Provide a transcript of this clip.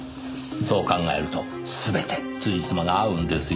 そう考えると全て辻褄が合うんですよ。